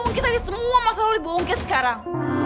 mungkin tadi semua masalah lu dibongkit sekarang